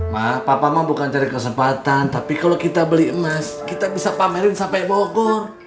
mak papamu bukan cari kesempatan tapi kalau kita beli emas kita bisa pamerin sampai bogor